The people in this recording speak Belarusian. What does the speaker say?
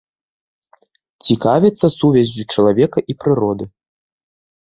Цікавіцца сувяззю чалавека і прыроды.